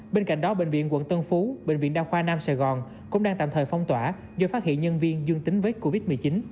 bên cạnh đó bệnh viện quận tân phú bệnh viện đa khoa nam sài gòn cũng đang tạm thời phong tỏa do phát hiện nhân viên dương tính với covid một mươi chín